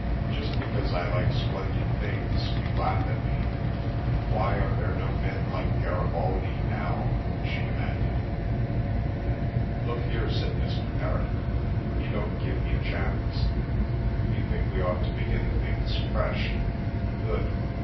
"Just because I like splendid things you laugh at me. Why are there no men like Garibaldi now?" she demanded. "Look here," said Mr. Perrott, "you don't give me a chance. You think we ought to begin things fresh. Good.